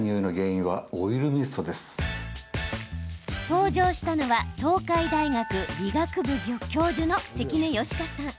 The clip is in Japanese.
登場したのは東海大学理学部教授の関根嘉香さん。